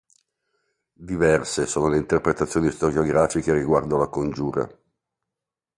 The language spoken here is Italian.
Diverse sono le interpretazioni storiografiche riguardo alla congiura.